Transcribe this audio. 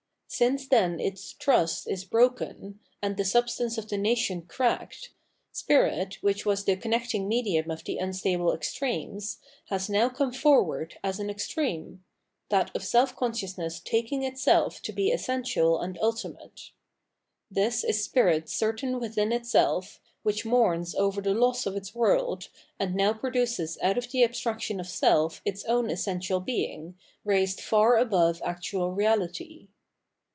Since then its trust is broken, and the sub stance of the nation cracked, spirit, which was the connecting medium of the unstable extremes, has now come forward as an extreme — ^that of self consciousness taking itseh to be essential and ultimate. This is spirit certain within itself, which mourns over the loss of its world, and now produces out of the abstraction of self its own essential being, raised far above actual reahty.